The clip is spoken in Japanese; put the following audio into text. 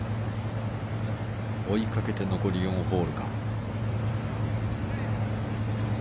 追いかけて残り４ホールか。